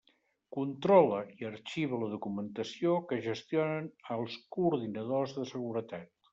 Controla i arxiva la documentació que gestionen els coordinadors de seguretat.